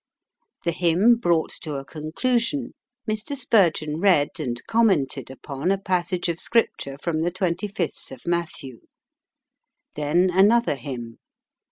The hymn brought to a conclusion, Mr. Spurgeon read and commented upon a passage of Scripture from the 25th of Matthew. Then another hymn.